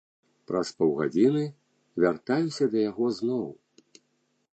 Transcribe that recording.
Праз паўгадзіны вяртаюся да яго зноў.